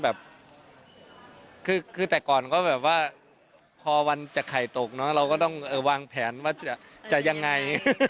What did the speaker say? แบบคือแต่ก่อนก็แบบว่าพอวันจะไข่ตกเนอะเราก็ต้องวางแผนว่าจะยังไง